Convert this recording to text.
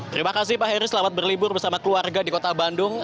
terima kasih pak heri selamat berlibur bersama keluarga di kota bandung